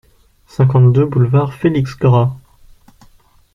cinquante-deux boulevard Félix Grat